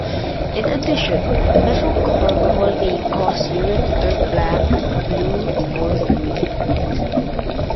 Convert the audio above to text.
In addition, methocarbamol may cause urine to turn black, blue, or green.